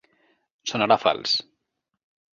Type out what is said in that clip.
Sonarà fals.